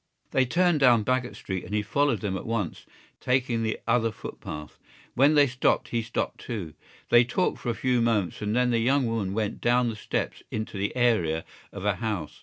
They turned down Baggot Street and he followed them at once, taking the other footpath. When they stopped he stopped too. They talked for a few moments and then the young woman went down the steps into the area of a house.